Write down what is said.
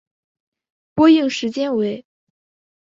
播映时间为。